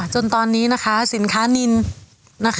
จนตอนนี้นะคะสินค้านิน